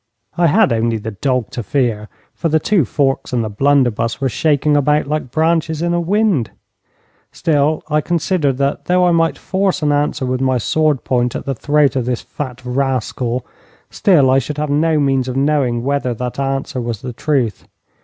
I had only the dog to fear, for the two forks and the blunderbuss were shaking about like branches in a wind. Still, I considered that, though I might force an answer with my sword point at the throat of this fat rascal, still I should have no means of knowing whether that answer was the truth.